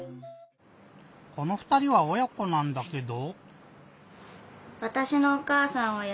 この２人はおや子なんだけど。